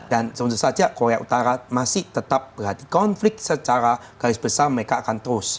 dan semestanya korea utara masih tetap berhatikan konflik secara garis besar mereka akan terus